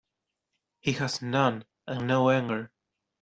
He has none, and no anger.